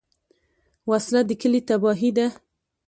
وسله د کلي تباهي ده